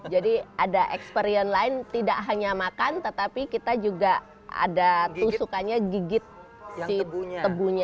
jadi ada experience lain tidak hanya makan tetapi kita juga ada tusukannya gigit si tebunya